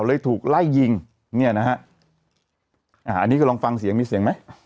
เลยถูกไล่ยิงเนี่ยนะฮะอ่าอันนี้ก็ลองฟังเสียงมีเสียงไหม